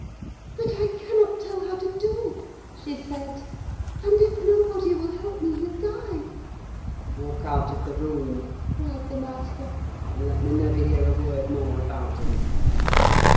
"'But I cannot tell how to do,' she said; 'and if nobody will help me, he'll die!' "'Walk out of the room,' cried the master, 'and let me never hear a word more about him!